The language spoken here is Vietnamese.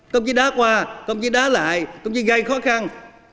công chí đá qua công chí đá lại công chí gây khó khăn